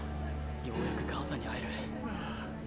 ようやく母さんに会える。